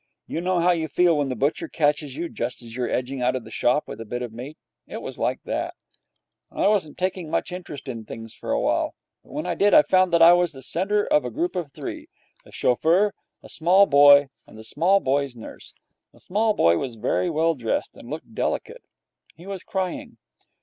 You know how you feel when the butcher catches you just as you are edging out of the shop with a bit of meat. It was like that. I wasn't taking much interest in things for awhile, but when I did I found that I was the centre of a group of three the chauffeur, a small boy, and the small boy's nurse. The small boy was very well dressed, and looked delicate. He was crying.